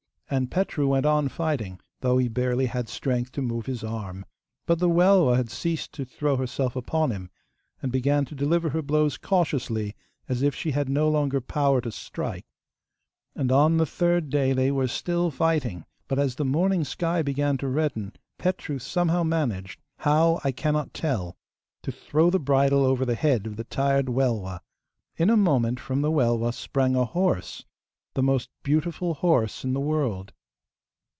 And Petru went on fighting, though he barely had strength to move his arm. But the Welwa had ceased to throw herself upon him, and began to deliver her blows cautiously, as if she had no longer power to strike. And on the third day they were still fighting, but as the morning sky began to redden Petru somehow managed how I cannot tell to throw the bridle over the head of the tired Welwa. In a moment, from the Welwa sprang a horse the most beautiful horse in the world.